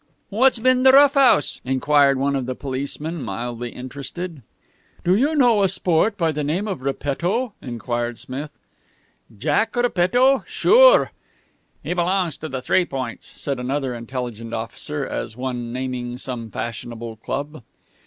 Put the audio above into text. "What's been the rough house?" inquired one of the policemen, mildly interested. "Do you know a sport of the name of Repetto?" enquired Smith. "Jack Repetto? Sure." "He belongs to the Three Points," said another intelligent officer, as one naming some fashionable club.